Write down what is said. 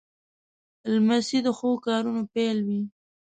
لمسی د ښو کارونو پیل وي.